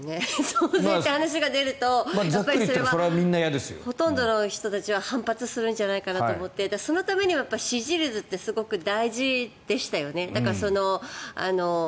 増税という話が出るとほとんどの人たちは反発するんじゃないかなと思ってそのためには支持率ってすごく大事でしたよね。